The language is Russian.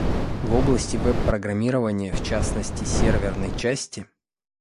В области веб-программирования, в частности, серверной части